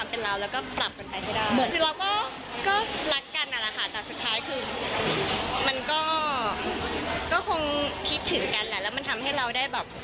มันก็คงคิดถึงกันแหละแล้วมันทำให้เราได้แบบ